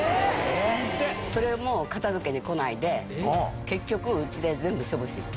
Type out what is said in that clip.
それも片づけに来ないで、結局、うちで全部処分。